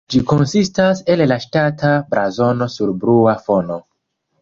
Ĝi konsistas el la ŝtata blazono sur blua fono.